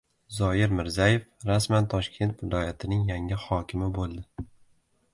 Zoyir Mirzayev rasman Toshkent viloyatining yangi hokimi bo‘ldi